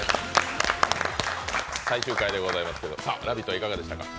最終回でございますけど、「ラヴィット！」はいかがでしたか？